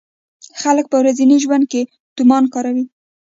خلک په ورځني ژوند کې تومان کاروي.